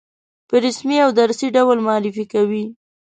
په رسمي او درسي ډول معرفي کوي.